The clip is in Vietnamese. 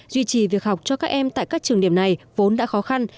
duy trì việc học cho các em tại các trường điểm này vốn đã khó khăn